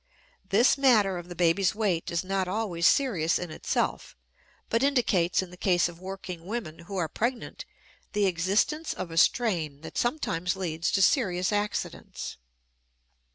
This matter of the baby's weight is not always serious in itself, but indicates in the case of working women who are pregnant the existence of a strain that sometimes leads to serious accidents.